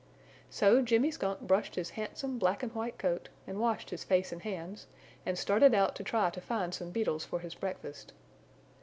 So Jimmy Skunk brushed his handsome black and white coat, and washed his face and hands, and started out to try to find some beetles for his breakfast.